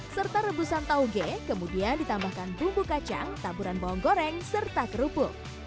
serta rebusan tauge kemudian ditambahkan bumbu kacang taburan bawang goreng serta kerupuk